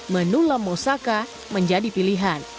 menu lamosaka menjadi pilihan